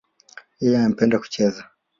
Yeye anapenda kucheza.